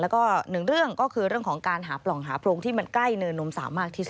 แล้วก็หนึ่งเรื่องก็คือเรื่องของการหาปล่องหาโพรงที่มันใกล้เนินนมสาวมากที่สุด